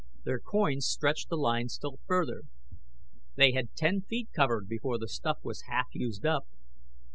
Their coins stretched the line still further. They had ten feet covered before the stuff was half used up.